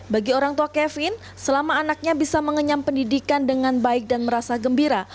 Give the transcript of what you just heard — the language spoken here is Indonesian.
bagi orang tua kevin selama anaknya bisa mengenyam pendidikan dengan baik dan merasa gembira